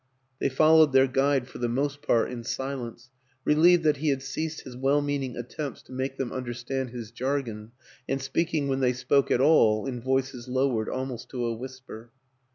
... They followed their guide for the most part in silence, relieved that he had ceased his well meaning attempts to make them under stand his jargon, and speaking, when they spoke at all, in voices lowered almost to a whisper.